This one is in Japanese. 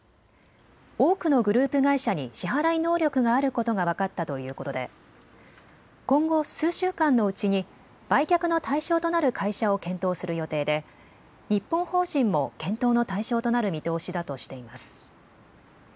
多くのグループ会社に支払い能力があることが分かったということで今後、数週間のうちに売却の対象となる会社を検討する予定で日本法人も検討の対象となる見通しだとしています。